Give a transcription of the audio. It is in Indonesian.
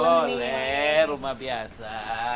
boleh rumah biasa